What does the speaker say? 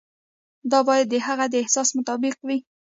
دا باید د هغه د احساس مطابق وي.